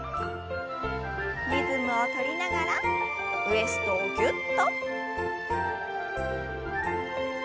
リズムを取りながらウエストをぎゅっと。